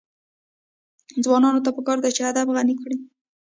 ځوانانو ته پکار ده چې، ادب غني کړي.